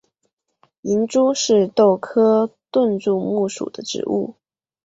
银珠是豆科盾柱木属的植物。